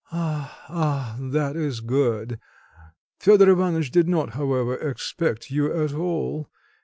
"Ah, ah; that is good. Fedor Ivanitch did not, however, expect you at all.